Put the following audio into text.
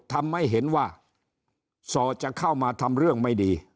ทำให้เห็นว่าสอจะเข้ามาทำเรื่องไม่ดี